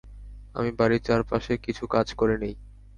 আমি বাড়ির চারপাশে কিছু কাজ করে নিই।